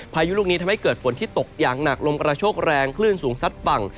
พายุลูกนี้ทำให้เกิดฝนที่ตกอย่างหนักลมกระโชกแรงคลื่นสูงซัดฝั่ง